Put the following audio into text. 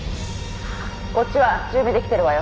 こっちは準備できてるわよ